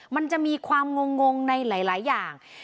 มันจะมีความงงในหลายอย่าง